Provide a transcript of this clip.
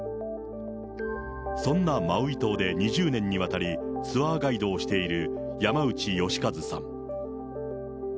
そんなマウイ島で２０年にわたりツアーガイドをしている山内良和さん。